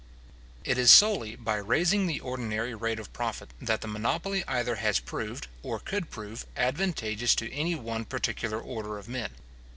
It is solely by raising the ordinary rate of profit, that the monopoly either has proved, or could prove, advantageous to any one particular order of men.